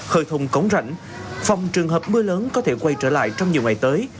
hơi thùng cống rảnh phòng trường hợp mưa lớn có thể quay trở lại trong nhiều ngày tới